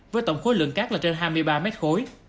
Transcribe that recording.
với tổng khối lượng cát là trên hai mươi ba mét khối